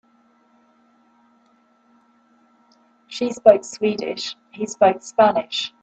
She spoke Swedish, he spoke Spanish.